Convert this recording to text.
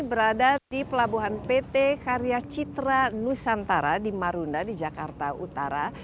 berada di pelabuhan pt karya citra nusantara di marunda di jakarta utara